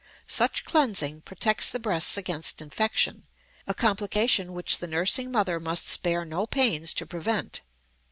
Such cleansing protects the breasts against infection, a complication which the nursing mother must spare no pains to prevent.